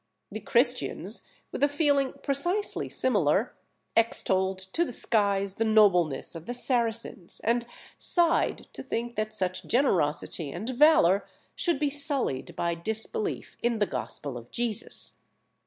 The Christians, with a feeling precisely similar, extolled to the skies the nobleness of the Saracens, and sighed to think that such generosity and valour should be sullied by disbelief in the Gospel of Jesus.